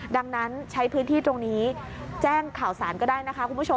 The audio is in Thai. ดังนั้นใช้พื้นที่ตรงนี้แจ้งข่าวสารก็ได้นะคะคุณผู้ชม